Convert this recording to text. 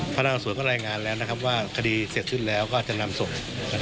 พนักอังสวนก็แรงงานแล้วว่าคดีเสร็จซึ่งแล้วก็จะนำส่ง